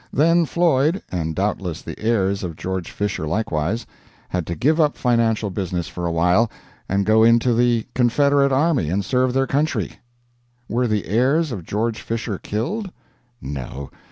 Then Floyd (and doubtless the heirs of George Fisher likewise) had to give up financial business for a while, and go into the Confederate army and serve their country. Were the heirs of George Fisher killed? No.